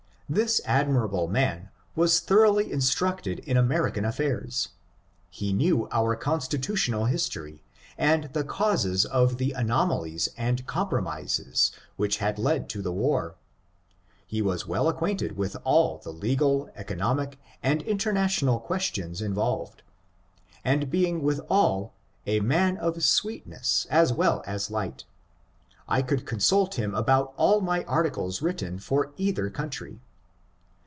This admirable man was thoroughly instructed in American affairs. He knew our constitutional history, and the causes of the anomalies and compromises which had led to the war. He was well acquainted with all the legal, eco nomic, and international questions involved, and being withal a man of sweetness as well as light, I could consult him about all my articles written for either country.